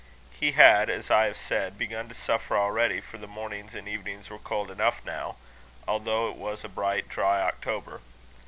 He had, as I have said, begun to suffer already, for the mornings and evenings were cold enough now, although it was a bright, dry October.